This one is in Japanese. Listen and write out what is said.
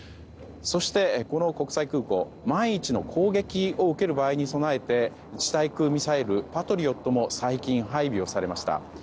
そして、この国際空港万一の攻撃を受ける場合に備えて地対空ミサイル、パトリオットも最近配備されました。